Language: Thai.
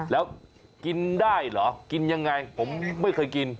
แล้วกินได้เหรอกินยังไงผมไม่เคยกิน